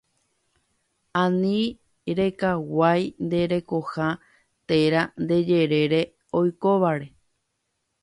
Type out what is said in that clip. Ani rekaguai nde rekoha térã nde jerére oikóvare